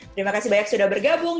terima kasih banyak sudah bergabung